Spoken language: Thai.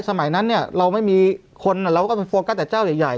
สมัยนั้นเนี่ยเราไม่มีคนเราก็ไปโฟกัสแต่เจ้าใหญ่